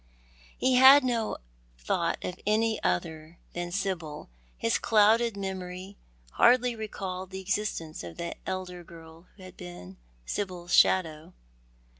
He had no thought of any other than Sibyl. His clouded memory hardly recalled the existence of that elder girl who had been Sibyl's shadow.